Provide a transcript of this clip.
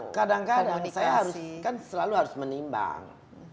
kadang kadang saya harus kan selalu harus menimbang